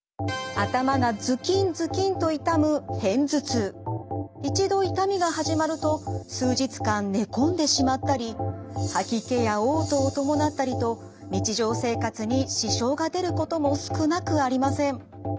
頭がズキンズキンと痛む一度痛みが始まると数日間寝込んでしまったり吐き気やおう吐を伴ったりと日常生活に支障が出ることも少なくありません。